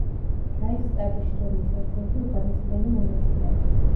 რაიხსტაგის შტურმის ერთ-ერთი უკანასკნელი მონაწილე.